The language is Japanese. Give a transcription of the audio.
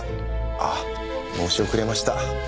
ああ申し遅れました。